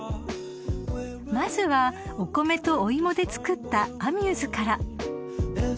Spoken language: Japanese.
［まずはお米とお芋で作ったアミューズから］